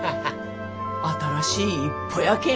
新しい一歩やけん。